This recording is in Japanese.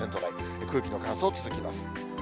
空気の乾燥、続きます。